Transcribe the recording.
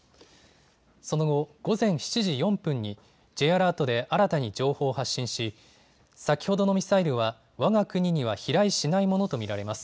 その後、午前７時４分にＪアラートで新たに情報を発信し先ほどのミサイルはわが国には飛来しないものと見られます。